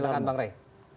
oke silahkan bang rey